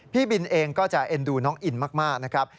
พี่บินเองก็จะเอ็นดูน้องอินมากนะครับ